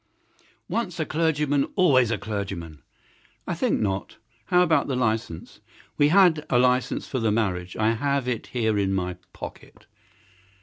"Once a clergyman, always a clergyman." "I think not. How about the license?" "We had a license for the marriage. I have it here in my pocket."